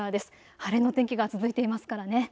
晴れの天気が続いていますからね。